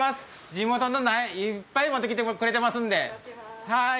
地元の苗いっぱい持ってきてくれてますんではーい。